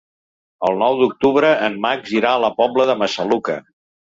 El nou d'octubre en Max irà a la Pobla de Massaluca.